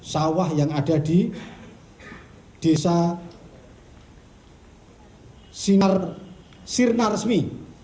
sawah yang ada di desa sirna resmi